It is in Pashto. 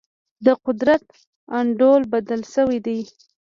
د قدرت انډول بدل شوی دی.